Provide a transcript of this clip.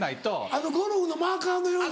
あのゴルフのマーカーのように。